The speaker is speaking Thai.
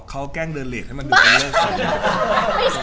เค้าแกล้งเดินเรทให้มันเดื่อเป็นเลิกขี้